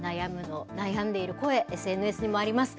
悩んでいる声、ＳＮＳにもあります。